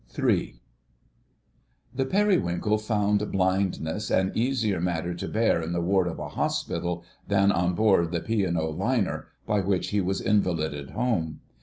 *III.* The Periwinkle found blindness an easier matter to bear in the ward of a hospital than on board the P. & O. Liner by which he was invalided home.